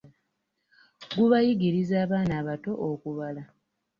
Gubayigiriza abaana abato okubala.